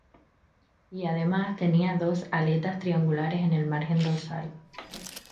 Y además tenía dos aletas triangulares en el margen dorsal.